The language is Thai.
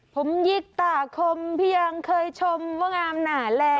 ผมยิกตาคมพี่ยังเคยชมว่างามหนาแล้ว